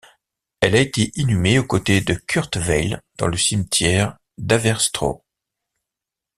Elle a été inhumée aux côtés de Kurt Weill dans le cimetière d'Haverstraw.